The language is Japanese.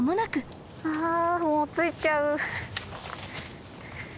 あもう着いちゃう。